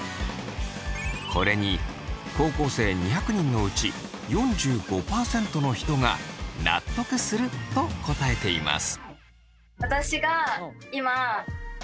これに高校生２００人のうち４５％の人が納得すると答えています。